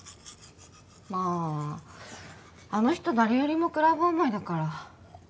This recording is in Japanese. まああの人誰よりもクラブ思いだから。